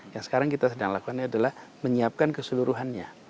yang sekarang kita sedang lakukan adalah menyiapkan keseluruhannya